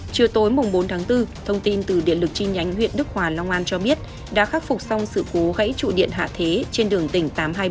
chiều tối bốn tháng bốn thông tin từ điện lực chi nhánh huyện đức hòa long an cho biết đã khắc phục xong sự cố gãy trụ điện hạ thế trên đường tỉnh tám trăm hai mươi bảy